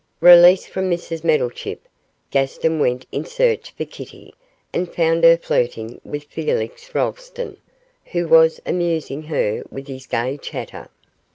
Released from Mrs Meddlechip, Gaston went in search of Kitty, and found her flirting with Felix Rolleston, who was amusing her with his gay chatter.